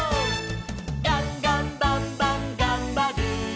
「ガンガンバンバンがんばる！」